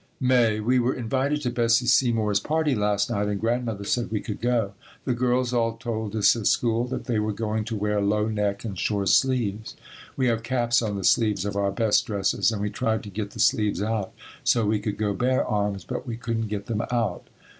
May. We were invited to Bessie Seymour's party last night and Grandmother said we could go. The girls all told us at school that they were going to wear low neck and short sleeves. We have caps on the sleeves of our best dresses and we tried to get the sleeves out, so we could go bare arms, but we couldn't get them out.